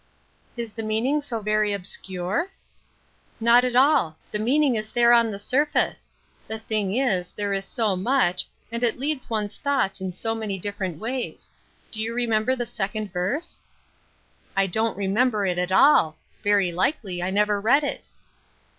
" Is the meaning so very obscure ?"" Not at all ; the meaning is there on the sur face ; the only thing is, there is so much, and it leads one's thoughts in so many different ways. Do you remember the second verse ?" "I don't remember it at all; very likely I never read it."